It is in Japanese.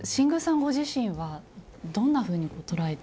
ご自身はどんなふうに捉えてらしたんですか？